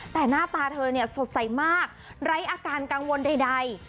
แต่หน้าตาเธอเนี่ยสดใสมากไร้อาการกังวลใด